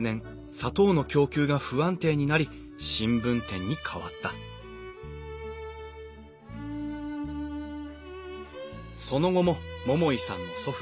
砂糖の供給が不安定になり新聞店に変わったその後も桃井さんの祖父